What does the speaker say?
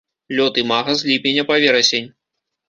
Лёт імага з ліпеня па верасень.